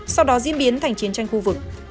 sau đó diễn biến thành chiến tranh khu vực